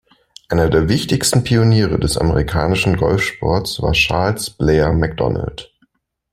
Einer der wichtigsten Pioniere des amerikanischen Golfsports war Charles Blair Macdonald.